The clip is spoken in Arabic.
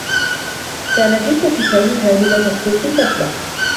كانت جثّة سامي الهامدة تطفو في المسبح.